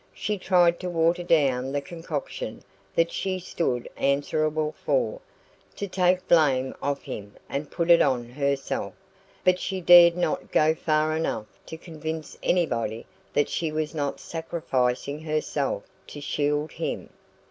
She tried to water down the concoction that she stood answerable for, to take blame off him and put it on herself; but she dared not go far enough to convince anybody that she was not sacrificing herself to shield him.